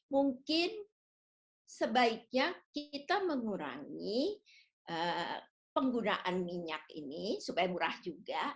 mungkin sebaiknya kita mengurangi penggunaan minyak ini supaya murah juga